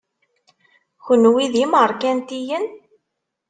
Kenwi d imerkantiyen?